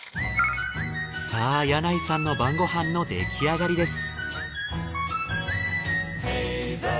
さぁ柳井さんの晩ご飯の出来上がりです。